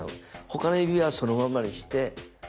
他の指はそのままにして。